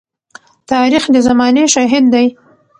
تاریخ د زمانې شاهد دی.